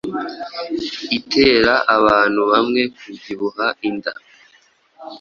itera abantu bamwe kubyibuha inda?